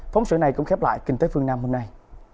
phóng sự này cũng khép lại kinh tế phương nam hôm nay